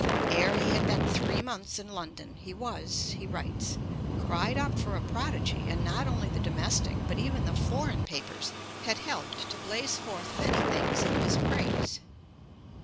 Ere he had been three months in London, he was, he writes (Memoirs, p. 179), 'cried up for a prodigy, and not only the domestic, but even the foreign papers had helped to blaze forth many things in his praise.'